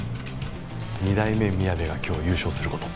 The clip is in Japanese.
二代目みやべが今日優勝する事。